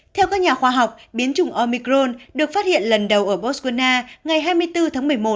theo các nhà khoa học biến chủng omicron được phát hiện lần đầu ở botswana ngày hai mươi bốn tháng một mươi một